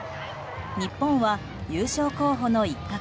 日本は優勝候補の一角